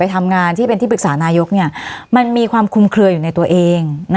ทำงานที่เป็นที่ปรึกษานายกมันมีความคุมเคลืออยู่ในตัวเอง